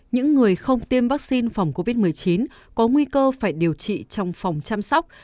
những người không tiêm vaccine phòng covid một mươi chín có nguy cơ phải điều trị trong phòng chăm sóc